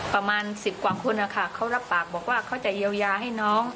ประมาณ๑๐กว่าคนนะคะเขารับปากบอกว่าเขาจะเยียวยาให้น้อง